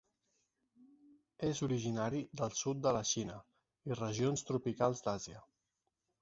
És originari del sud de la Xina i regions tropicals d'Àsia.